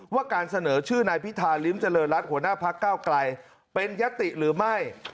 ว่าการเสนอชื่อนายพิธาริมเจริญรัฐหัวหน้าพักเก้าไกลเป็นยติหรือไม่